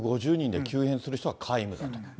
３５０人で急変する人は皆無だと。